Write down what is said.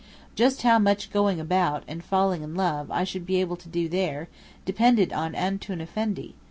Just how much "going about," and falling in love, I should be able to do there, depended on "Antoun Effendi."